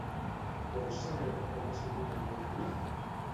Vols saber com ha sigut el meu dia?